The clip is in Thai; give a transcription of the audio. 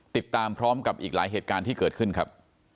ติดตามพร้อมกับอีกหลายเหตุการณ์ที่เกิดขึ้นครับ